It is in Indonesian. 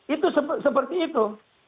itu seperti itu